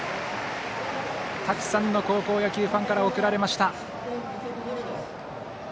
たくさんの高校野球ファンから送られました。